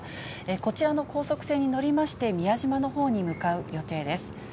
こちらの高速船に乗りまして、宮島のほうに向かう予定です。